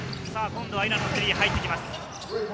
今度はイランのスリーが入ってきます。